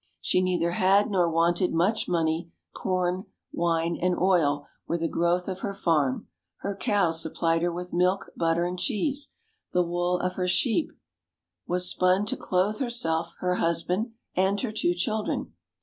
She neither had nor wanted much money; corn, wine, and oil were the growth of her farm; her cows supplied her with milk, butter and cheese. The wool of her sheep was spun to clothe herself, her husband, and her two children.